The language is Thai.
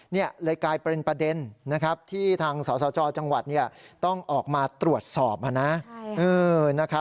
นี่เลยกลายเป็นประเด็นที่ทางสสจจังหวัดต้องออกมาตรวจสอบนะ